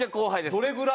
どれぐらい？